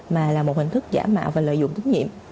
mà là một hình thức giả mạo và lợi dụng tín nhiệm